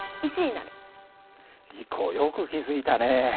リコよく気付いたね。